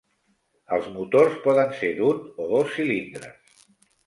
Els motors poden ser d'un o dos cilindres.